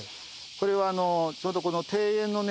これはちょうどこの。